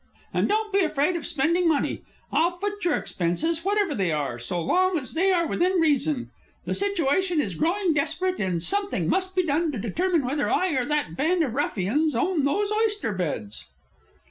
And don't be afraid of spending money. I'll foot your expenses, whatever they are, so long as they are within reason. The situation is growing desperate, and something must be done to determine whether I or that band of ruffians own those oyster beds."